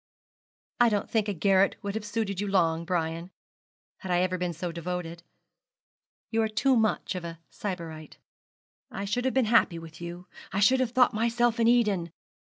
'I don't think a garret would have suited you long, Brian, had I been ever so devoted. You are too much of a sybarite.' 'I should have been happy with you. I should have thought myself in Eden.